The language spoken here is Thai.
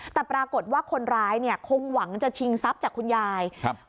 แต่ปรากฏว่าคนร้ายเนี่ยคงหวังจะชิงทรัพย์จากคุณยายครับ